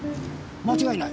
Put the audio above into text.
間違いない。